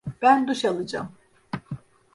Ben duş alacağım.